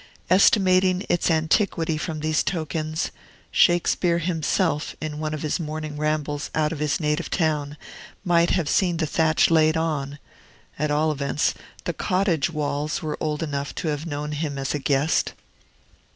Estimating its antiquity from these tokens, Shakespeare himself, in one of his morning rambles out of his native town, might have seen the thatch laid on; at all events, the cottage walls were old enough to have known him as a guest.